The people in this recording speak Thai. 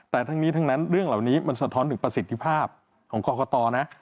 แต่ทั้งนี้ทั้งนั้นเรื่องเหล่านี้มันสะท้อนถึงประสิทธิภาพของกรกตนะ